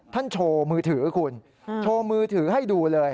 โชว์มือถือคุณโชว์มือถือให้ดูเลย